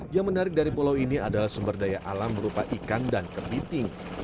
yang menarik dari pulau ini adalah sumber daya alam berupa ikan dan kebiting